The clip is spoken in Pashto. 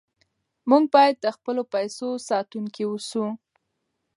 موږ باید د خپلو پیسو ساتونکي اوسو.